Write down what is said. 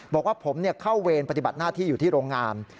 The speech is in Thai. บอกว่าผมเข้าเวรปฏิบัติหน้าที่อยู่ที่โรงงาน